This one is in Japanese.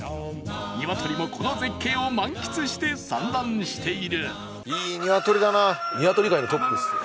［鶏もこの絶景を満喫して産卵している］